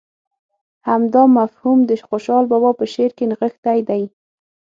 همدا مفهوم د خوشحال بابا په شعر کې نغښتی دی.